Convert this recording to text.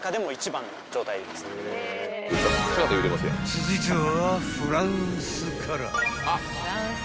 ［続いては］